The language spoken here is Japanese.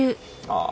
ああ